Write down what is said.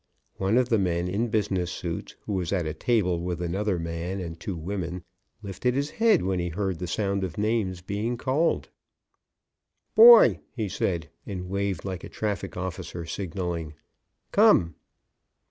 One of the men in business suits, who was at a table with another man and two women, lifted his head when he heard the sound of names being called. "Boy!" he said, and waved like a traffic officer signaling, "Come!"